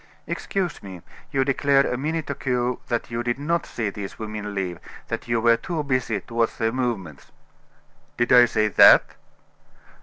"Excuse me, you declared a minute ago that you did not see these women leave: that you were too busy to watch their movements." "Did I say that?"